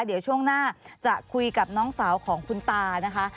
เดี๋ยวช่วงหน้าจะคุยกับน้องสาวของคุณตานะคะ